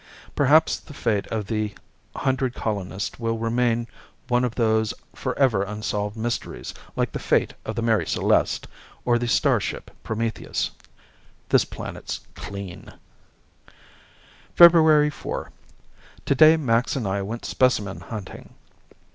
Perhaps the fate of the hundred colonists will remain one of those forever unsolved mysteries, like the fate of the Mary Celeste or the starship Prometheus. This planet's clean. February 4 Today Max and I went specimen hunting.